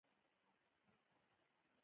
د حېرانۍ خولې مې د سر وېښتو نه راودنګل